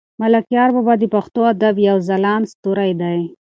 ملکیار بابا د پښتو ادب یو ځلاند ستوری دی.